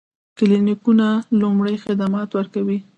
کلینیکونه لومړني خدمات ورکوي